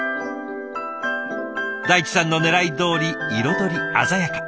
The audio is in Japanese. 大地さんのねらいどおり彩り鮮やか。